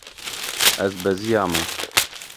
Ez beziyame.